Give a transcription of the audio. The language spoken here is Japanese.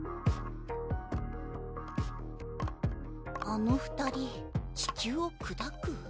あの二人地球を砕く？